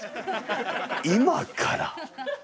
今から！